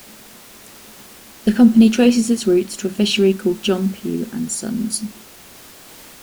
The company traces its roots to a fishery called John Pew and Sons.